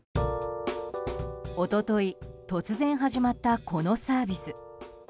一昨日、突然始まったこのサービス。